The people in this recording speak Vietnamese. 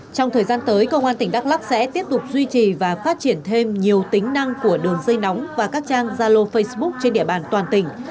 trong thời gian tới công an tỉnh đắk lắc sẽ tiếp tục duy trì và phát triển thêm nhiều tính năng của đường dây nóng và các trang gia lô facebook trên địa bàn toàn tỉnh